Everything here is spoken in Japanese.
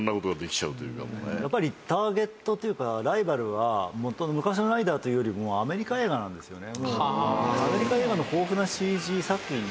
やっぱりターゲットというかライバルは昔のライダーというよりもアメリカ映画なんですよね。